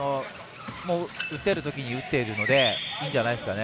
打てるときに打っているのでいいんじゃないですかね。